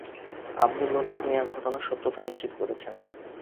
আবদুল লতিফ মিয়া ঘটনার সত্যতা নিশ্চিত করেছেন।